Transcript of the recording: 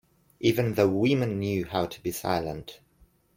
Even the women knew how to be silent.